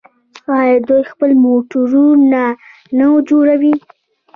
آیا دوی خپل موټرونه نه جوړوي؟